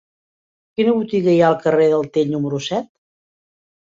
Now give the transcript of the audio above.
Quina botiga hi ha al carrer de Tell número set?